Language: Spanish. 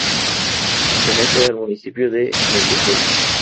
Pertenece al municipio de Medinaceli.